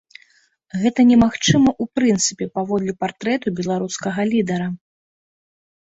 Гэта немагчыма ў прынцыпе паводле партрэту беларускага лідара.